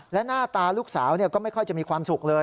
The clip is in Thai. และหน้าตาลูกสาวก็ไม่ค่อยจะมีความสุขเลย